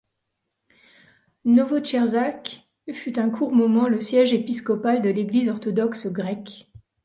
Novotcherkassk fut un court moment le siège épiscopal de l’Église orthodoxe grecque.